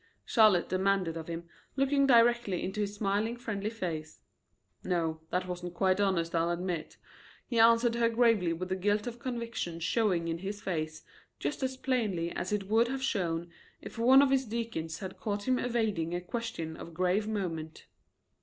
Charlotte demanded of him, looking directly into his smiling, friendly face. "No, that wasn't quite honest, I'll admit," he answered her gravely with the guilt of conviction showing in his face just as plainly as it would have shown if one of his deacons had caught him evading a question of grave moment.